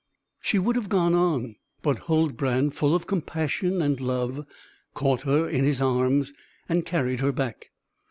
She would have gone on; but Huldbrand, full of compassion and love, caught her in his arms, and carried her back.